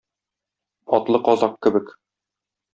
Атлы казак кебек.